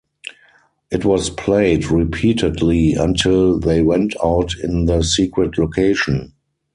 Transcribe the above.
It was played repeatedly until they went out in the secret location.